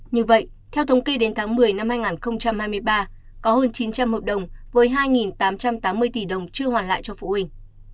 như vậy theo thống kê đến tháng một mươi năm hai nghìn hai mươi ba có hơn chín trăm linh hợp đồng với hai tám trăm tám mươi tỷ đồng chưa hoàn lại cho phụ huynh